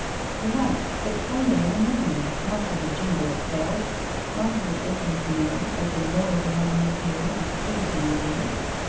" Perhaps. But only as a memory, not as a jingle of bells, not as a definite noise, like a noise a man may hear in the street any day.